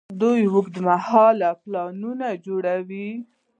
دوی اوږدمهاله پلانونه جوړوي.